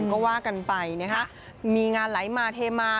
ก็ว่ากันไปนะคะมีงานไหลมาเทมา